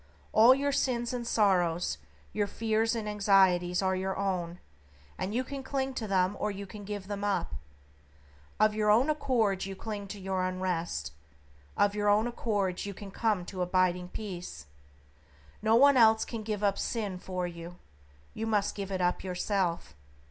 All your sins and sorrows, your fears and anxieties are your own, and you can cling to them or you can give them up. Of your own accord you cling to your unrest; of your own accord you can come to abiding peace. No one else can give up sin for you; you must give it up yourself.